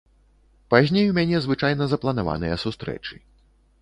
Пазней у мяне звычайна запланаваныя сустрэчы.